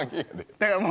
だからもう。